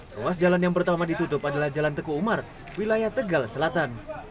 ruas jalan yang pertama ditutup adalah jalan teku umar wilayah tegal selatan